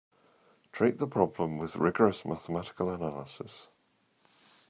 Treat the problem with rigorous mathematical analysis.